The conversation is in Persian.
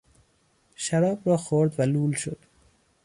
شراب را خورد و لول شد.